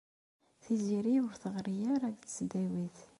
Tiziri ur teɣri ara deg tesdawit.